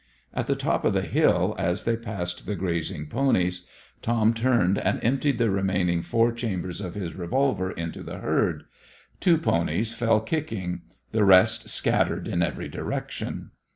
At the top of the hill, as they passed the grazing ponies, Tom turned and emptied the remaining four chambers of his revolver into the herd. Two ponies fell kicking; the rest scattered in every direction.